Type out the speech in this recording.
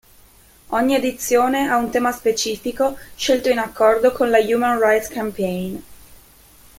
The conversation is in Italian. Ogni edizione ha un tema specifico scelto in accordo con la Human Rights Campaign.